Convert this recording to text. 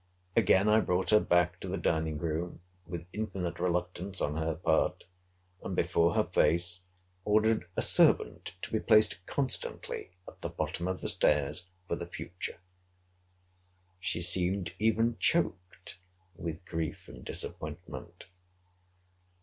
Again I brought her back to the dining room, with infinite reluctance on her part. And, before her face, ordered a servant to be placed constantly at the bottom of the stairs for the future. She seemed even choked with grief and disappointment.